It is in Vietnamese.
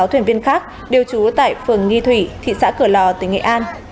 sáu thuyền viên khác đều trú tại phường nghi thủy thị xã cửa lò tỉnh nghệ an